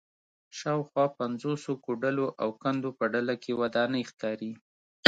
شاوخوا پنځوسو کوډلو او کندو په ډله کې ودانۍ ښکاري